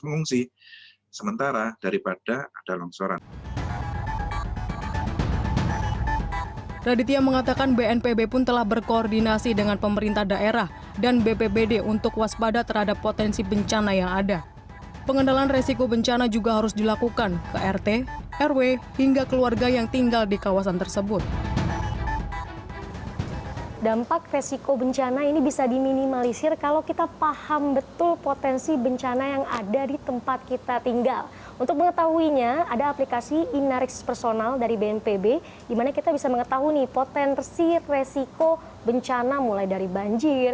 untuk mengetahuinya ada aplikasi inarix personal dari bnpb di mana kita bisa mengetahui potensi resiko bencana mulai dari banjir